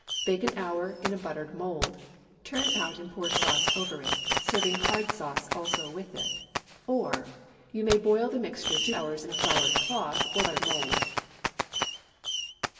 Bake an hour in a buttered mould; turn out and pour sauce over it, serving hard sauce also with it. Or, You may boil the mixture two hours in a floured cloth or buttered mould.